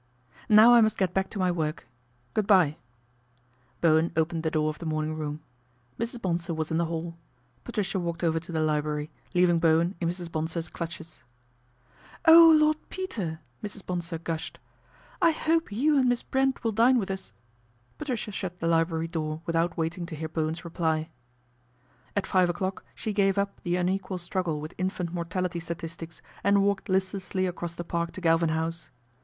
" Now I must get back to my work. Good bye." Bowen opened the door of the morning room. Mrs. Bonsor was in the hall. Patricia walked over to the library, leaving Bowen in Mrs. Bonsor's clutches. " Oh, Lord Peter !" Mrs. Bonsor gushed. " I hope you and Miss Brent will dine with us " Patricia shut the library door without waiting to hear Bowen's reply. At five o'clock she gave up the unequal struggle with infant mortality statistics and walked list lessly across the Park to Galvin House.